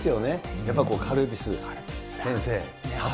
やっぱりこう、カルピス、先生。